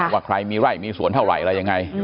ว่าใครมีไร่มีสวนเท่าไหร่อะไรยังไง